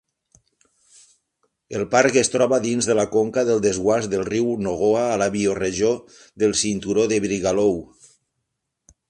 El parc es troba dins de la conca del desguàs del riu Nogoa a la bioregió del cinturó de Brigalow.